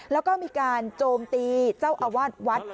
แล้วก็มีการโจมตีเจ้าอาวาสวัด